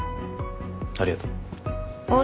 ありがとう。